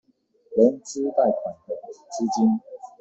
融資貸款等資金